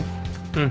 うん